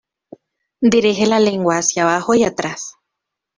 Dirige la lengua hacia abajo y atrás.